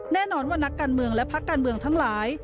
แน่นอนว่านักการเมืองและพักการเมืองทั้งหลาย